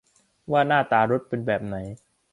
ว่าหน้าตารถเป็นแบบไหน